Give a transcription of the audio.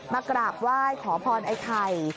มากราบไหว้ขอพรไอ้ไข่